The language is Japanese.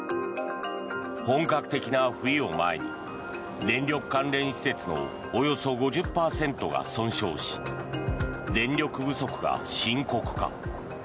本格的な冬を前に電力関連施設のおよそ５０％が損傷し電力不足が深刻化。